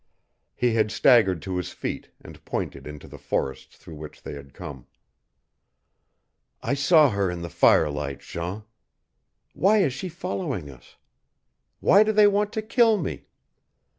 He had staggered to his feet, and pointed into the forests through which they had come. "I saw her in the firelight, Jean. Why is she following us? Why do they want to kill me?